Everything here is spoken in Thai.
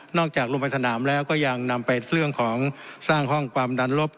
จากลงไปสนามแล้วก็ยังนำไปเรื่องของสร้างห้องความดันลบ